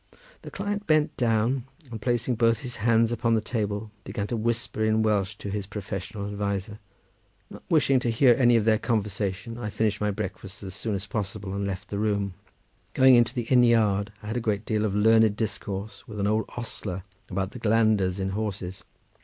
The client bent down, and placing both his hands upon the table, began to whisper in Welsh to his professional adviser. Not wishing to hear any of their conversation, I finished my breakfast as soon as possible, and left the room. Going into the inn yard, I had a great deal of learned discourse with an old ostler about the glanders in horses.